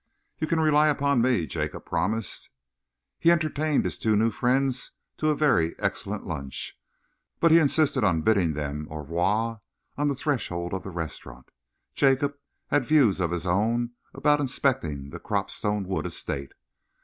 "You can rely upon me," Jacob promised. He entertained his two new friends to a very excellent lunch, but he insisted upon bidding them au revoir on the threshold of the restaurant. Jacob had views of his own about inspecting the Cropstone Wood Estate.